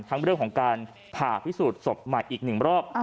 เรื่องของการผ่าพิสูจน์ศพใหม่อีก๑รอบ